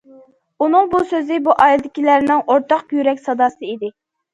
ئۇنىڭ بۇ سۆزى بۇ ئائىلىدىكىلەرنىڭ ئورتاق يۈرەك ساداسى ئىدى.